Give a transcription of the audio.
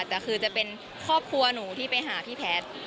แต่คือจะเป็นครอบครัวหนูที่ไปหาพี่แพทย์